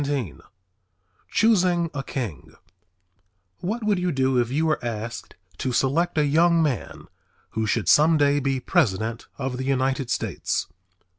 "_ CHOOSING A KING What would you do if you were asked to select a young man who should some day be president of the United States?